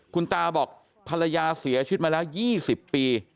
คุณตาบอกภรรยาเสียชีวิตมาแล้ว๒๐ปี